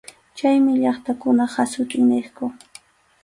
Chaymi llaqtakunap hasut’in niqku.